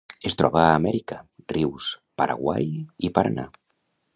Es troba a Amèrica: rius Paraguai i Paranà.